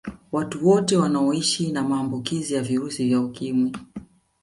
Watu wote wanaoishi na maambukizi ya virusi vya Ukimwi